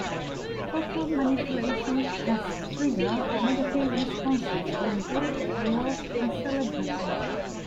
Photo manipulation has triggered negative responses from both viewers and celebrities.